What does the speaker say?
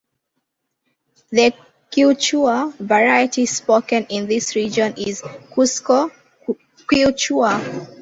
The Quechua variety spoken in this region is Cusco Quechua.